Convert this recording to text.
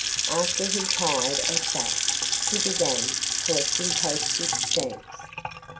After he tired of that he began collecting postage stamps.